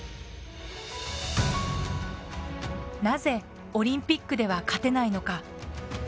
なぜオリンピックでは勝てないのか。